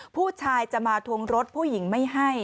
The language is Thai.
ผู้ชายจะมาทวงรถผู้หญิงไม่ให้